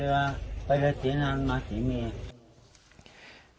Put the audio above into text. เร็วไปเรือใส่เมีย